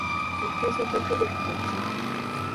Ekiteeso kya pulojekiti kye ki?